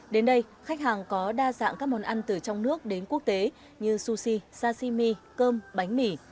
đến đây khách hàng có đa dạng các món ăn từ trong nước đến quốc tế như sushi sashimi cơm bánh mì